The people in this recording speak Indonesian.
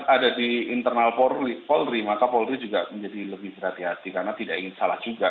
ada di internal polri maka polri juga menjadi lebih berhati hati karena tidak ingin salah juga